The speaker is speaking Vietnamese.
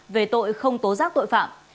về tội không tố giác tội phạm